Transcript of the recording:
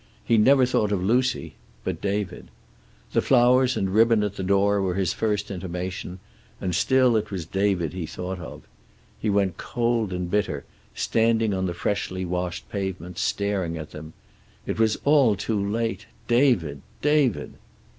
He never thought of Lucy, but David... The flowers and ribbon at the door were his first intimation, and still it was David he thought of. He went cold and bitter, standing on the freshly washed pavement, staring at them. It was all too late. David! David!